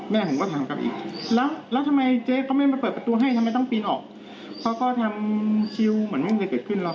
ผมก็ถามกลับอีกแล้วแล้วทำไมเจ๊เขาไม่มาเปิดประตูให้ทำไมต้องปีนออกเขาก็ทำคิวเหมือนไม่เคยเกิดขึ้นหรอก